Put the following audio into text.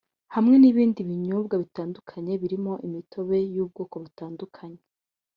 hamwe n’ibindi binyobwa bitandukanye birimo imitobe y’ubwoko butandukanye